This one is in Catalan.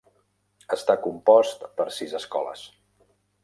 Està compost per sis escoles.